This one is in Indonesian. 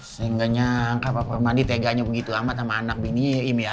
sehingga nyangka pak permandi teganya begitu amat sama anak bininya ya im ya